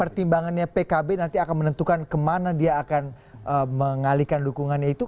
pertimbangannya pkb nanti akan menentukan kemana dia akan mengalihkan dukungannya itu